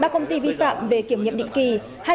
ba công ty vi phạm về kiểm nghiệm định kỳ